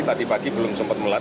tadi pagi belum sempat melekat